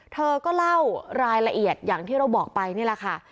เธอก็เล่ารายละเอียดอย่างที่เราบอกไปนี่แหละค่ะ